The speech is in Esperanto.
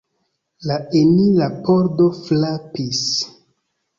La enira pordo frapis.